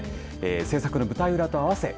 制作の舞台裏と合わせて